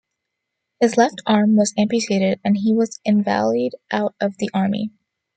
His left arm was amputated and he was invalided out of the Army.